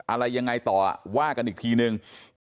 อะไรยังไงต่อว่ากันอีกทีนึง